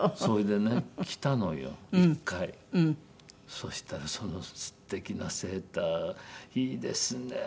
そしたら「その素敵なセーターいいですねえ！」